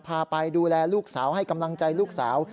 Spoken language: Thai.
พาไปดูแลลูกสาวให้กำลังใจลูกสาว